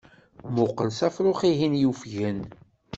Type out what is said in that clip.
Muqel s afrux-ihin yufgen.